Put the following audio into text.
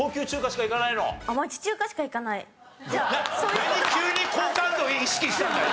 なんで急に好感度を意識したんだよ？